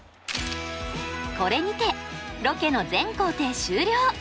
これにてロケの全行程終了。